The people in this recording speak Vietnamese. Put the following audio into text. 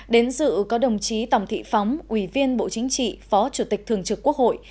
đến dự có đồng chí tòng thị phóng ủy viên bộ chính trị phó chủ tịch thường trực quốc hội